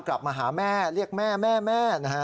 กลับมาหาแม่เรียกแม่แม่แม่นะฮะ